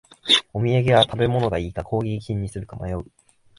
お土産は食べ物がいいか工芸品にするか迷う